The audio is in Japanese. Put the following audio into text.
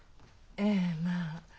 ええまあ。